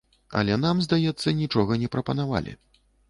Але нам, здаецца, нічога не прапанавалі.